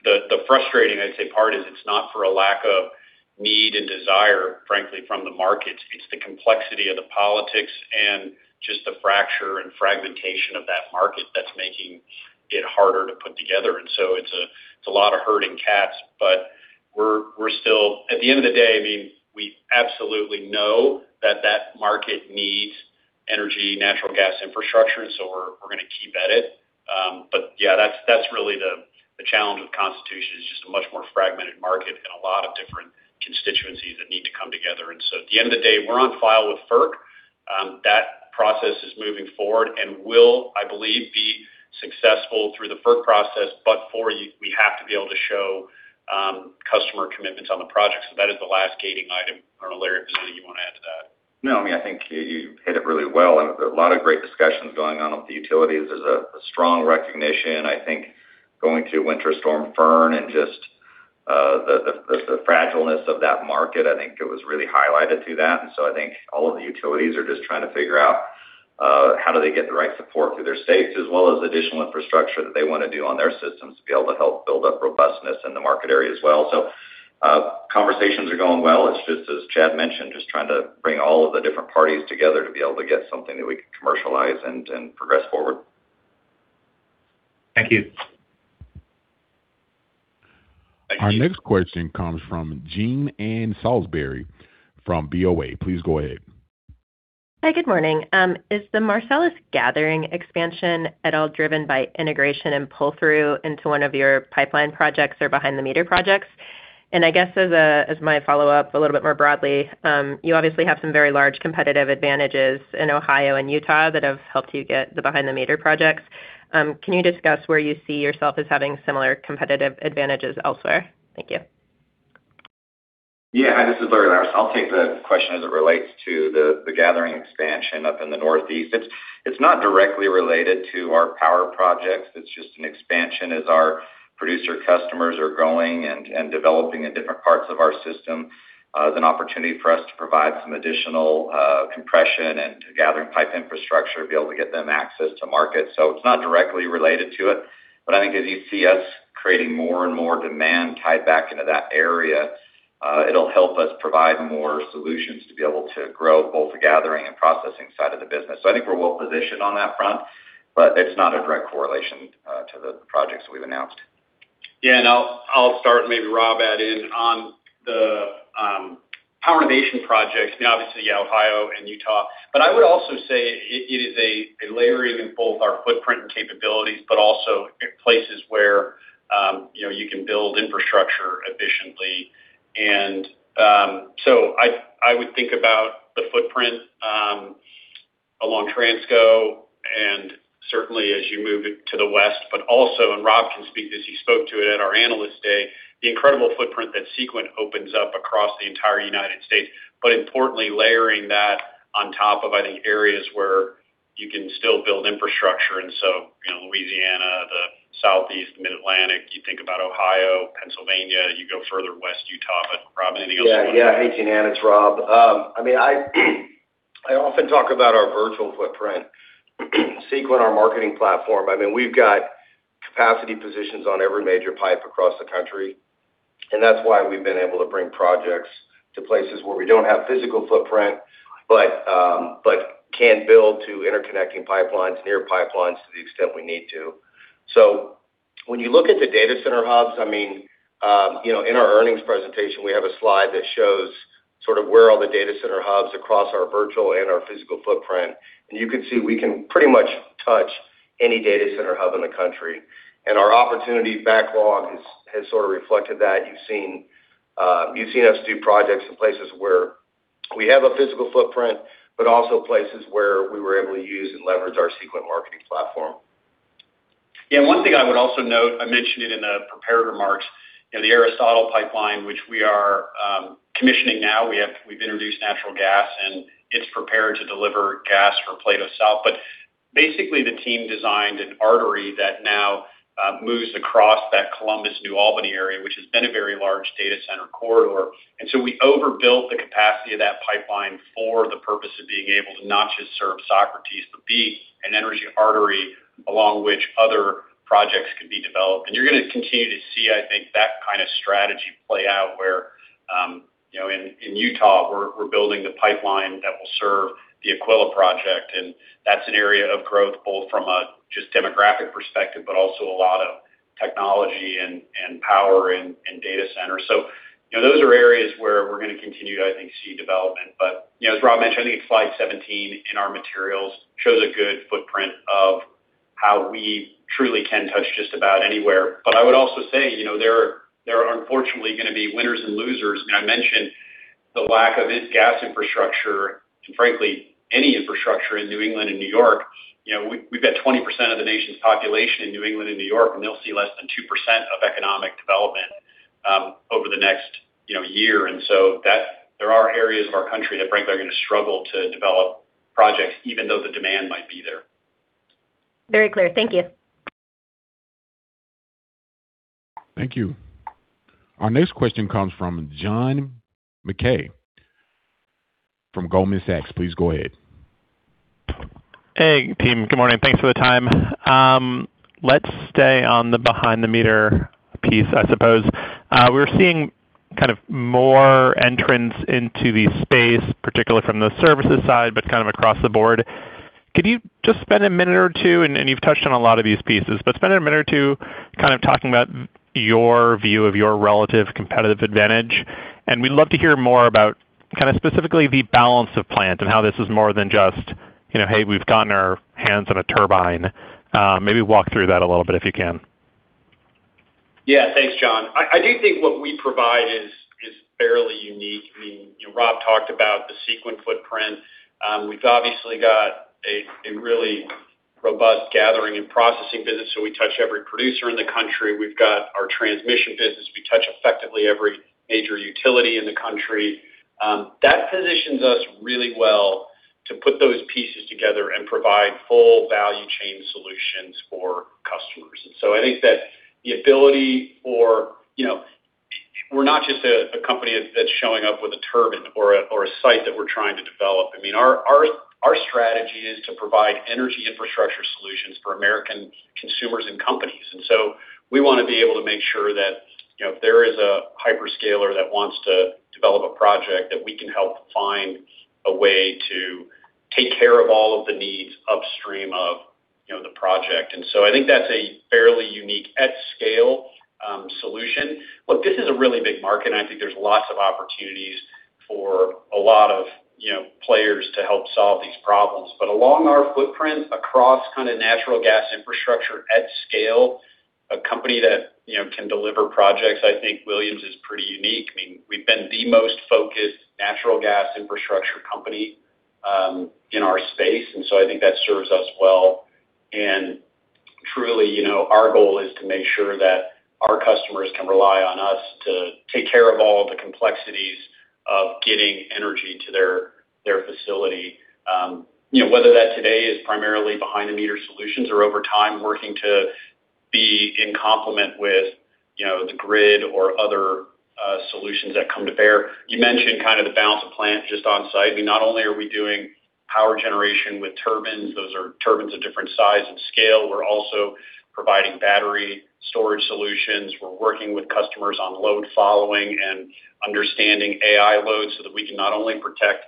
The frustrating, I'd say, part is it's not for a lack of need and desire, frankly, from the markets. It's the complexity of the politics and just the fracture and fragmentation of that market that's making it harder to put together. It's a lot of herding cats, but At the end of the day, I mean, we absolutely know that that market needs energy, natural gas infrastructure, and so we're going to keep at it. Yeah, that's really the challenge with Constitution is just a much more fragmented market and a lot of different constituencies that need to come together. At the end of the day, we're on file with FERC. That process is moving forward and will, I believe, be successful through the FERC process. We have to be able to show customer commitments on the project. That is the last gating item. I don't know, Larry, if there's anything you wanna add to that. No, I mean, I think you hit it really well and a lot of great discussions going on with the utilities. There's a strong recognition, I think, going to Winter Storm Fern and just the fragileness of that market. I think it was really highlighted through that. I think all of the utilities are just trying to figure out how do they get the right support through their states as well as additional infrastructure that they wanna do on their systems to be able to help build up robustness in the market area as well. Conversations are going well. It's just as Chad mentioned, just trying to bring all of the different parties together to be able to get something that we can commercialize and progress forward. Thank you. Our next question comes from Jean Ann Salisbury from BofA. Please go ahead. Hi, good morning. Is the Marcellus Gathering Expansion at all driven by integration and pull-through into one of your pipeline projects or behind-the-meter projects? I guess as my follow-up a little bit more broadly, you obviously have some very large competitive advantages in Ohio and Utah that have helped you get the behind-the-meter projects. Can you discuss where you see yourself as having similar competitive advantages elsewhere? Thank you. This is Larry Larsen. I'll take the question as it relates to the gathering expansion up in the Northeast. It's not directly related to our power projects. It's just an expansion as our producer customers are growing and developing in different parts of our system, as an opportunity for us to provide some additional compression and gathering pipe infrastructure to be able to get them access to market. It's not directly related to it, but I think as you see us creating more and more demand tied back into that area, it'll help us provide more solutions to be able to grow both the gathering and processing side of the business. I think we're well-positioned on that front, but it's not a direct correlation to the projects we've announced. Yeah. I'll start, maybe Rob add in on the power innovation projects, obviously Ohio and Utah. I would also say it is a layering in both our footprint and capabilities, but also places where, you know, you can build infrastructure efficiently. I would think about the footprint along Transco, certainly as you move to the west, but also, and Rob can speak to this, he spoke to it at our Analyst Day, the incredible footprint that Sequent opens up across the entire U.S. Importantly, layering that on top of, I think, areas where you can still build infrastructure. You know, Louisiana, the Southeast, the Mid-Atlantic, you think about Ohio, Pennsylvania, you go further west, Utah. Rob, anything else you want to add? Yeah. Hey, Jean Ann. It's Rob Wingo. I mean, I often talk about our virtual footprint. Sequent, our marketing platform. I mean, we've got capacity positions on every major pipe across the country, and that's why we've been able to bring projects to places where we don't have physical footprint, but can build to interconnecting pipelines, near pipelines to the extent we need to. When you look at the data center hubs, I mean, you know, in our earnings presentation, we have a slide that shows sort of where all the data center hubs across our virtual and our physical footprint. You can see we can pretty much touch any data center hub in the country. Our opportunity backlog has sort of reflected that. You've seen us do projects in places where we have a physical footprint, but also places where we were able to use and leverage our Sequent marketing platform. Yeah. One thing I would also note, I mentioned it in the prepared remarks, you know, the Aristotle pipeline, which we are commissioning now. We've introduced natural gas, and it's prepared to deliver gas for Plato South. Basically, the team designed an artery that now moves across that Columbus-New Albany area, which has been a very large data center corridor. We overbuilt the capacity of that pipeline for the purpose of being able to not just serve Socrates, but be an energy artery along which other projects could be developed. You're going to continue to see, I think, that kind of strategy play out where, you know, in Utah, we're building the pipeline that will serve the Aquila project. That's an area of growth, both from a just demographic perspective, but also a lot of technology and power and data centers. You know, those are areas where we're going to continue to, I think, see development. You know, as Rob mentioned, I think slide 17 in our materials shows a good footprint of how we truly can touch just about anywhere. I would also say, you know, there are unfortunately going to be winners and losers. I mentioned the lack of this gas infrastructure and frankly, any infrastructure in New England and New York. You know, we've got 20% of the nation's population in New England and New York, and they'll see less than 2% of economic development over the next, you know, year. There are areas of our country that frankly are going to struggle to develop projects even though the demand might be there. Very clear. Thank you. Thank you. Our next question comes from John Mackay from Goldman Sachs. Please go ahead. Hey, team. Good morning. Thanks for the time. Let's stay on the behind-the-meter piece, I suppose. We're seeing more entrants into the space, particularly from the services side, but across the board. Could you just spend a minute or two, and you've touched on a lot of these pieces, but spend a minute or two talking about your view of your relative competitive advantage. We'd love to hear more about specifically the balance of plant and how this is more than just, you know, "Hey, we've gotten our hands on a turbine." Maybe walk through that a little bit, if you can. Yeah. Thanks, John. I do think what we provide is fairly unique. I mean, you know, Rob talked about the Sequent footprint. We've obviously got a really robust gathering and processing business, so we touch every producer in the country. We've got our transmission business. We touch effectively every major utility in the country. That positions us really well to put those pieces together and provide full value chain solutions for customers. I think that the ability for, you know, we're not just a company that's showing up with a turbine or a site that we're trying to develop. I mean, our strategy is to provide energy infrastructure solutions for American consumers and companies. We want to be able to make sure that, you know, if there is a hyperscaler that wants to develop a project, that we can help find a way to take care of all of the needs upstream of, you know, the project. I think that's a fairly unique at scale, solution. Look, this is a really big market, and I think there's lots of opportunities for a lot of, you know, players to help solve these problems. Along our footprint across kind of natural gas infrastructure at scale, a company that, you know, can deliver projects, I think Williams is pretty unique. I mean, we've been the most focused natural gas infrastructure company, in our space, and so I think that serves us well. Truly, you know, our goal is to make sure that our customers can rely on us to take care of all the complexities of getting energy to their facility. You know, whether that today is primarily behind-the-meter solutions or over time working to be in complement with, you know, the grid or other solutions that come to bear. You mentioned kind of the balance of plant just on-site. I mean, not only are we doing power generation with turbines, those are turbines of different size and scale. We're also providing battery storage solutions. We're working with customers on load following and understanding AI loads so that we can not only protect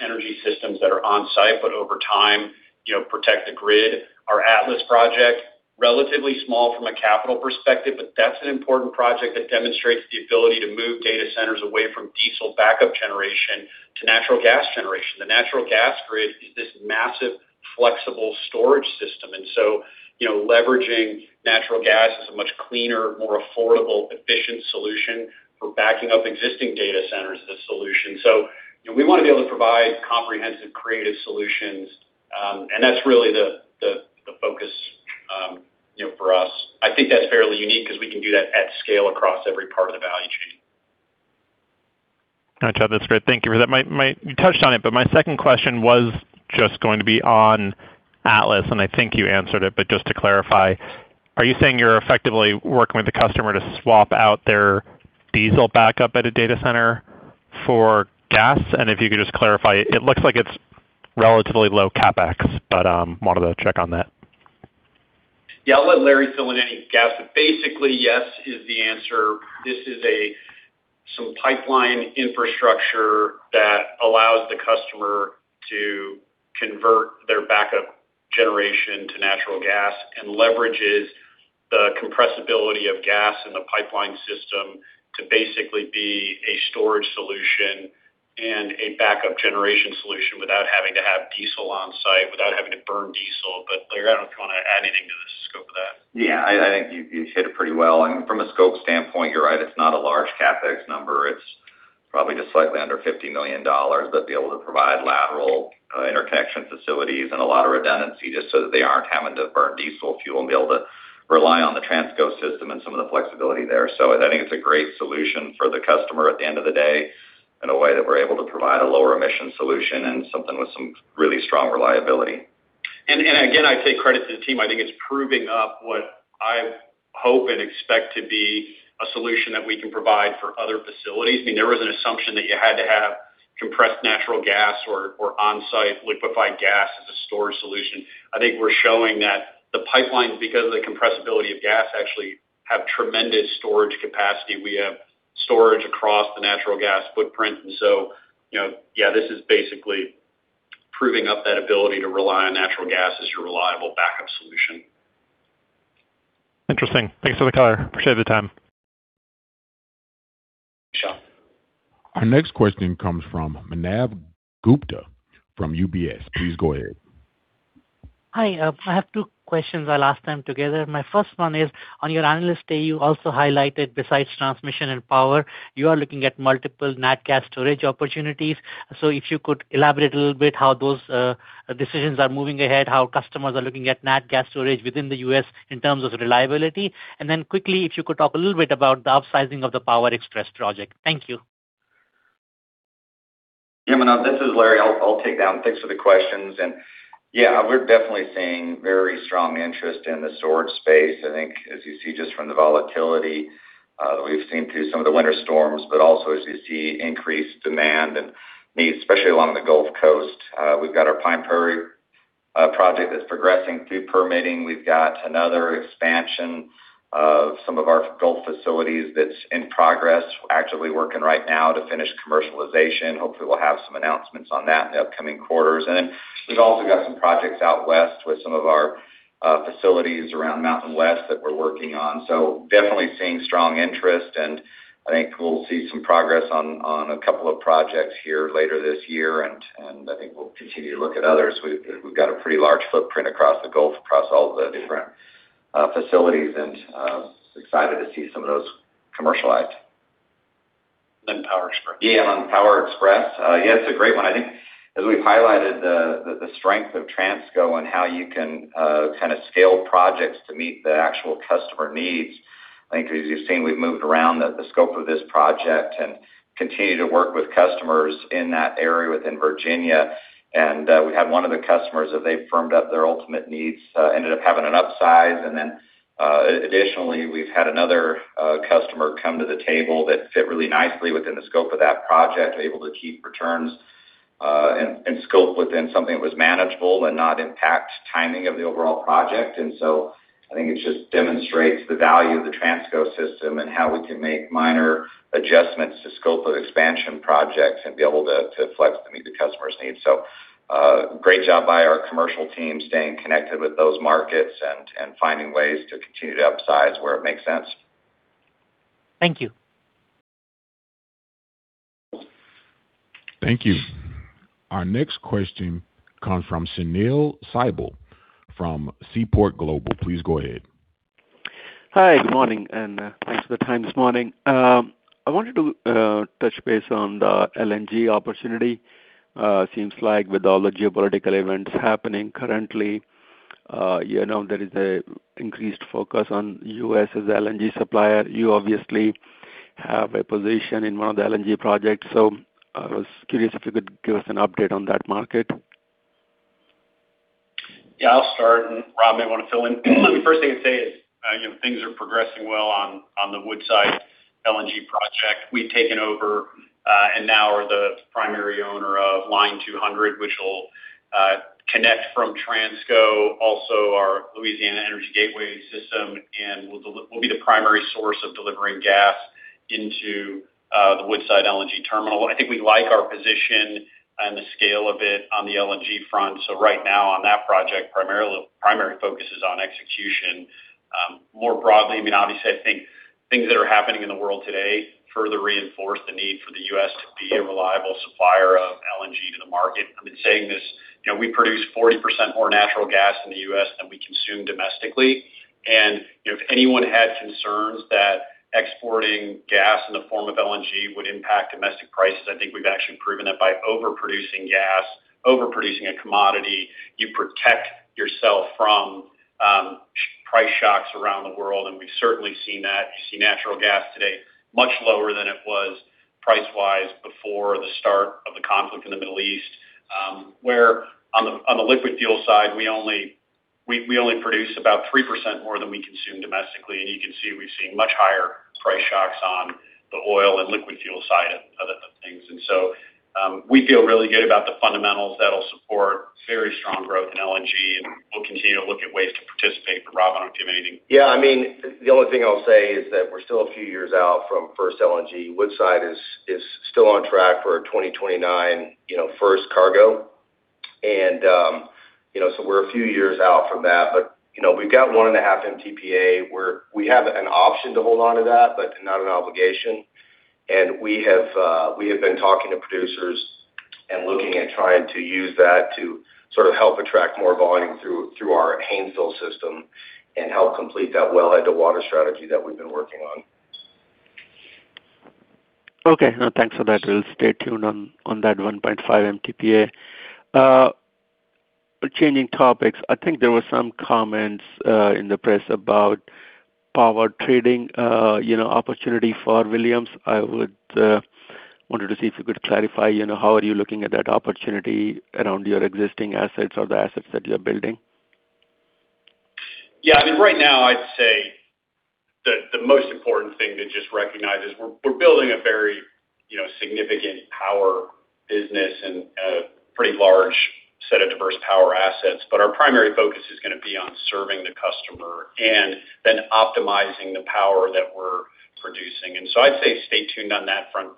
energy systems that are on-site, but over time, you know, protect the grid. Our Atlas project, relatively small from a capital perspective, but that's an important project that demonstrates the ability to move data centers away from diesel backup generation to natural gas generation. The natural gas grid is this massive flexible storage system, you know, leveraging natural gas is a much cleaner, more affordable, efficient solution for backing up existing data centers as a solution. You know, we wanna be able to provide comprehensive creative solutions, and that's really the focus, you know, for us. I think that's fairly unique 'cause we can do that at scale across every part of the value chain. All right, Chad. That's great. Thank you for that. My second question was just going to be on Atlas, and I think you answered it. Just to clarify, are you saying you're effectively working with the customer to swap out their diesel backup at a data center for gas? If you could just clarify, it looks like it's relatively low CapEx, but wanted to check on that. Yeah, I'll let Larry fill in any gaps. Basically, yes is the answer. This is some pipeline infrastructure that allows the customer to convert their backup generation to natural gas and leverages the compressibility of gas in the pipeline system to basically be a storage solution and a backup generation solution without having to have diesel on site, without having to burn diesel. Larry, I don't know if you wanna add anything to the scope of that. I think you hit it pretty well. I mean, from a scope standpoint, you're right, it's not a large CapEx number. It's probably just slightly under $50 million. Be able to provide lateral interconnection facilities and a lot of redundancy just so that they aren't having to burn diesel fuel and be able to rely on the Transco system and some of the flexibility there. I think it's a great solution for the customer at the end of the day, in a way that we're able to provide a lower emission solution and something with some really strong reliability. Again, I say credit to the team. I think it's proving up what I hope and expect to be a solution that we can provide for other facilities. I mean, there was an assumption that you had to have compressed natural gas or on-site liquefied gas as a storage solution. I think we're showing that the pipelines, because of the compressibility of gas, actually have tremendous storage capacity. We have storage across the natural gas footprint. You know, yeah, this is basically proving up that ability to rely on natural gas as your reliable backup solution. Interesting. Thanks for the color. Appreciate the time. Sure. Our next question comes from Manav Gupta from UBS. Please go ahead. Hi. I have two questions. I'll ask them together. My first one is, on your Analyst Day, you also highlighted besides transmission and power, you are looking at multiple nat gas storage opportunities. If you could elaborate a little bit how those decisions are moving ahead, how customers are looking at nat gas storage within the U.S. in terms of reliability? Quickly, if you could talk a little bit about the upsizing of the Power Express project? Thank you. Yeah, Manav, this is Larry. I'll take that. Thanks for the questions. We're definitely seeing very strong interest in the storage space. I think as you see just from the volatility that we've seen through some of the winter storms, but also as you see increased demand and need, especially along the Gulf Coast. We've got our Pine Prairie project that's progressing through permitting. We've got another expansion of some of our Gulf facilities that's in progress. We're actively working right now to finish commercialization. Hopefully, we'll have some announcements on that in the upcoming quarters. We've also got some projects out west with some of our facilities around MountainWest that we're working on. Definitely seeing strong interest, and I think we'll see some progress on a couple of projects here later this year. I think we'll continue to look at others. We've got a pretty large footprint across the Gulf, across all the different facilities. Excited to see some of those commercialized. Power Express. Yeah, on Power Express. Yeah, it's a great one. I think as we've highlighted the strength of Transco and how you can kinda scale projects to meet the actual customer needs. I think as you've seen, we've moved around the scope of this project and continue to work with customers in that area within Virginia. We had one of the customers that they firmed up their ultimate needs, ended up having an upsize. Additionally, we've had another customer come to the table that fit really nicely within the scope of that project, able to keep returns and scope within something that was manageable and not impact timing of the overall project. I think it just demonstrates the value of the Transco system and how we can make minor adjustments to scope of expansion projects and be able to flex to meet the customer's needs. Great job by our commercial team staying connected with those markets and finding ways to continue to upsize where it makes sense. Thank you. Thank you. Our next question comes from Sunil Sibal from Seaport Global. Please go ahead. Hi. Good morning, and thanks for the time this morning. I wanted to touch base on the LNG opportunity. Seems like with all the geopolitical events happening currently, you know, there is a increased focus on U.S. as LNG supplier. You obviously have a position in one of the LNG projects. I was curious if you could give us an update on that market. Yeah, I'll start, and Rob may wanna fill in. The first thing to say is, you know, things are progressing well on the Woodside LNG project. We've taken over, and now are the primary owner of Line 200, which will connect from Transco, also our Louisiana Energy Gateway system, and will be the primary source of delivering gas into the Woodside LNG terminal. I think we like our position and the scale of it on the LNG front. Right now on that project primary focus is on execution. More broadly, I mean, obviously I think things that are happening in the world today further reinforce the need for the U.S. to be a reliable supplier of LNG to the market. I've been saying this, you know, we produce 40% more natural gas in the U.S. than we consume domestically. If anyone had concerns that exporting gas in the form of LNG would impact domestic prices, I think we've actually proven that by overproducing gas, overproducing a commodity, you protect yourself from price shocks around the world. We've certainly seen that. You see natural gas today much lower than it was price-wise before the start of the conflict in the Middle East, where on the liquid fuel side, we only produce about 3% more than we consume domestically. You can see we've seen much higher price shocks on the oil and liquid fuel side of things. We feel really good about the fundamentals that'll support very strong growth in LNG, and we'll continue to look at ways to participate. Rob, I don't know if you have anything. The only thing I'll say is that we're still a few years out from first LNG. Woodside is still on track for a 2029, you know, first cargo. You know, we're a few years out from that. You know, we've got 1.5 MTPA where we have an option to hold onto that, but not an obligation. We have been talking to producers and looking at trying to use that to sort of help attract more volume through our Haynesville system and help complete that wellhead to water strategy that we've been working on. Okay. No, thanks for that. We'll stay tuned on that 1.5 MTPA. Changing topics, I think there were some comments in the press about Power Trading, you know opportunities for Williams I wanted to see if you could clarify, you know, how are you looking at that opportunity around your existing assets or the assets that you're building? Yeah, I mean, right now I'd say the most important thing to just recognize is we're building a very, you know, significant power business and a pretty large set of diverse power assets. Our primary focus is gonna be on serving the customer and then optimizing the power that we're producing. I'd say stay tuned on that front.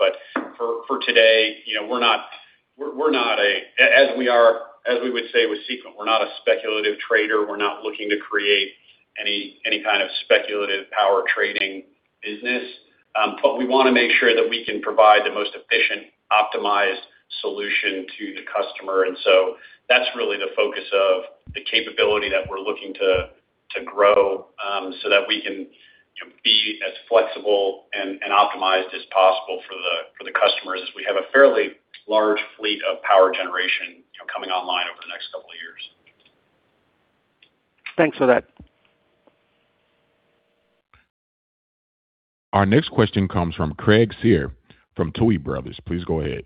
For today, you know, we're not a as we would say with Sequent, we're not a speculative trader. We're not looking to create any kind of speculative power trading business. We wanna make sure that we can provide the most efficient, optimized solution to the customer. That's really the focus of the capability that we're looking to grow, so that we can, you know, be as flexible and optimized as possible for the customers as we have a fairly large fleet of power generation, you know, coming online over the next couple of years. Thanks for that. Our next question comes from Craig Shere from Tuohy Brothers. Please go ahead.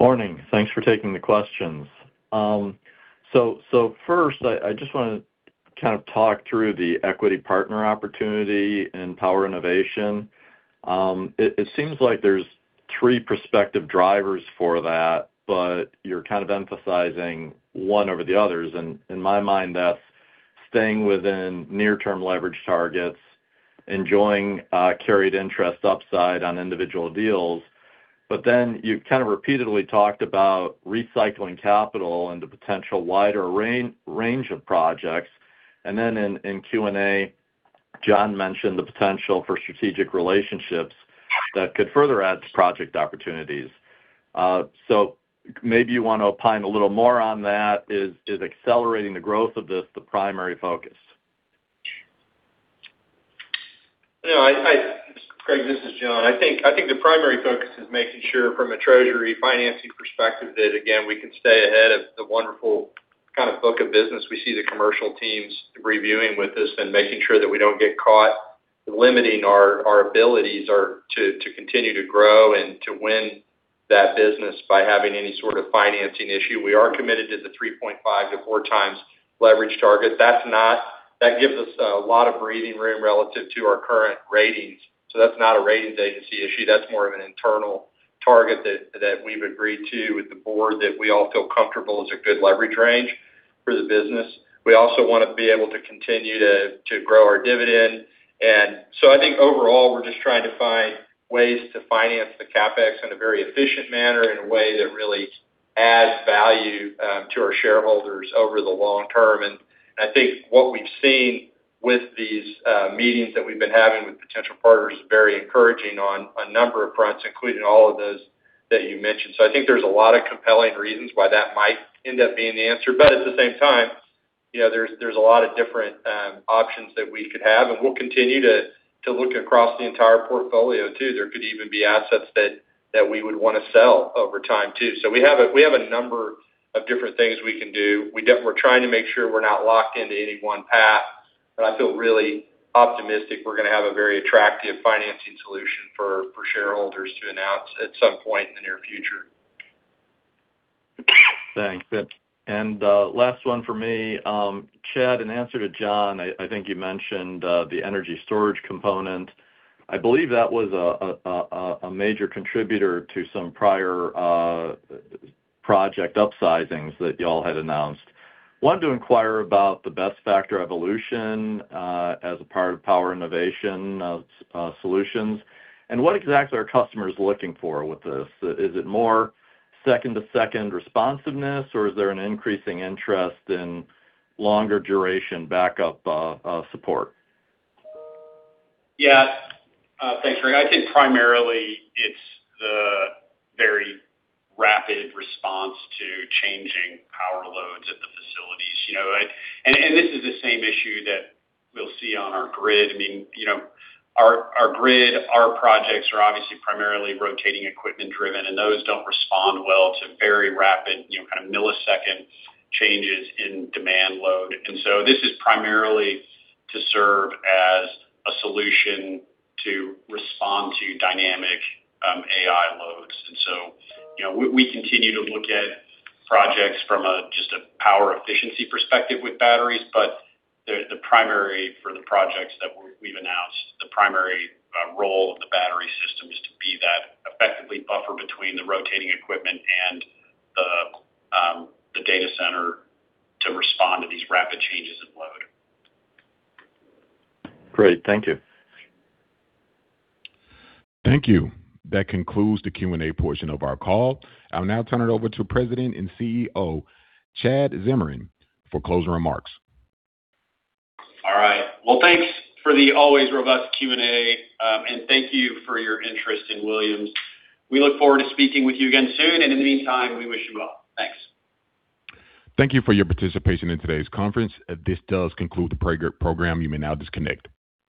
Morning. Thanks for taking the questions. First, I just wanna kind of talk through the equity partner opportunity in power innovation. It seems like there's three prospective drivers for that, you're kind of emphasizing one over the others. In my mind, that's staying within near-term leverage targets, enjoying carried interest upside on individual deals. You kind of repeatedly talked about recycling capital into potential wider range of projects. In Q&A, John mentioned the potential for strategic relationships that could further add to project opportunities. Maybe you want to opine a little more on that. Is accelerating the growth of this the primary focus? No, Craig, this is John. I think the primary focus is making sure from a treasury financing perspective that, again, we can stay ahead of the wonderful kind of book of business we see the commercial teams reviewing with us and making sure that we don't get caught limiting our abilities or to continue to grow and to win that business by having any sort of financing issue. We are committed to the 3.5-4x leverage target. That gives us a lot of breathing room relative to our current ratings. That's not a ratings agency issue. That's more of an internal target that we've agreed to with the board that we all feel comfortable is a good leverage range for the business. We also wanna be able to continue to grow our dividend. I think overall, we're just trying to find ways to finance the CapEx in a very efficient manner in a way that really adds value to our shareholders over the long term. I think what we've seen with these meetings that we've been having with potential partners is very encouraging on a number of fronts, including all of those that you mentioned. I think there's a lot of compelling reasons why that might end up being the answer. At the same time, you know, there's a lot of different options that we could have, and we'll continue to look across the entire portfolio too. There could even be assets that we would wanna sell over time too. We have a number of different things we can do. We're trying to make sure we're not locked into any one path. I feel really optimistic we're gonna have a very attractive financing solution for shareholders to announce at some point in the near future. Thanks. Last one for me. Chad, in answer to John, I think you mentioned the energy storage component. I believe that was a major contributor to some prior project upsizings that y'all had announced. Wanted to inquire about the BESS factor evolution as a part of power innovation solutions, and what exactly are customers looking for with this? Is it more second-to-second responsiveness, or is there an increasing interest in longer duration backup support? Yeah. Thanks, Craig. I think primarily it's the very rapid response to changing power loads at the facilities. You know, and this is the same issue that we'll see on our grid. I mean, you know, our grid, our projects are obviously primarily rotating equipment driven, and those don't respond well to very rapid, you know, kind of millisecond changes in demand load. This is primarily to serve as a solution to respond to dynamic AI loads. You know, we continue to look at projects from a just a power efficiency perspective with batteries. But the primary for the projects that we've announced, the primary role of the battery system is to be that effectively buffer between the rotating equipment and the data center to respond to these rapid changes in load. Great. Thank you. Thank you. That concludes the Q&A portion of our call. I'll now turn it over to President and CEO, Chad Zamarin, for closing remarks. All right. Well, thanks for the always robust Q&A. Thank you for your interest in Williams. We look forward to speaking with you again soon, and in the meantime, we wish you well. Thanks. Thank you for your participation in today's conference. This does conclude the Prager program. You may now disconnect.